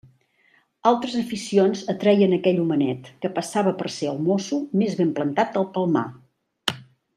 Altres aficions atreien aquell homenet, que passava per ser el mosso més ben plantat del Palmar.